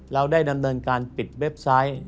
เราได้ดำเนินการปิดเว็บไซต์